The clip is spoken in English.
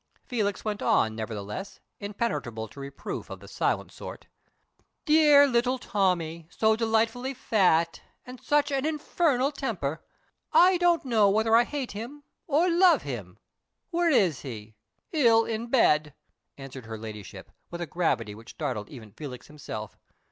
Felix went on, nevertheless, impenetrable to reproof of the silent sort. "Dear little Tommie! So delightfully fat; and such an infernal temper! I don't know whether I hate him or love him. Where is he?" "Ill in bed," answered her ladyship, with a gravity which startled even Felix himself.